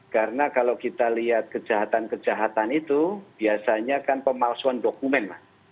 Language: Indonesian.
karena kalau kita lihat kejahatan kejahatan itu biasanya kan pemalsuan dokumen